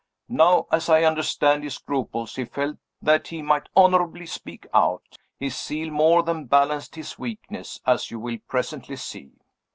Now, as I understand his scruples, he felt that he might honorably speak out. His zeal more than balanced his weakness, as you will presently see.